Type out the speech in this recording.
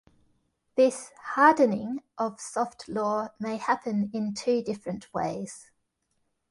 This "hardening" of soft law may happen in two different ways.